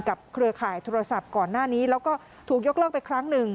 เครือข่ายโทรศัพท์ก่อนหน้านี้แล้วก็ถูกยกเลิกไปครั้งหนึ่ง